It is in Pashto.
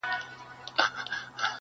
خدایه مینه د قلم ورکي په زړو کي,